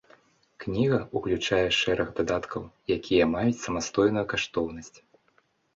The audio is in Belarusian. Кніга ўключае шэраг дадаткаў, якія маюць самастойную каштоўнасць.